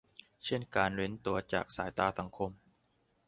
เช่นการเร้นตัวจากสายตาสังคม